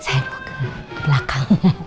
saya mau ke belakang